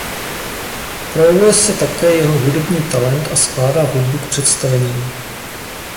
Projevuje se také jeho hudební talent a skládá hudbu k představením.